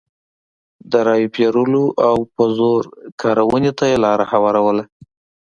د رایو پېرلو او په زور کارونې ته یې لار هواروله.